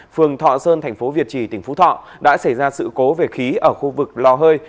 phường thọ sơn thành phố việt trì tỉnh phú thọ đã xảy ra sự cố về khí ở khu vực lò hơi